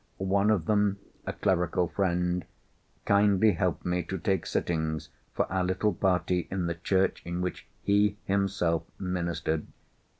One of them—a clerical friend—kindly helped me to take sittings for our little party in the church in which he himself ministered.